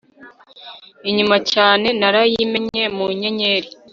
inyuma cyane yarayimenye, mu nyenyeri